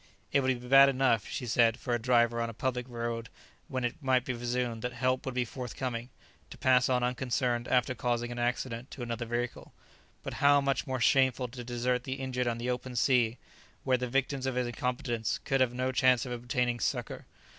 It would be bad enough, she said for a driver on a public road, when it might be presumed that help would be forthcoming, to pass on unconcerned after causing an accident to another vehicle; but how much more shameful to desert the injured on the open sea, where the victims of his incompetence could have no chance of obtaining succour!